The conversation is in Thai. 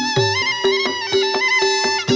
โชว์ที่สุดท้าย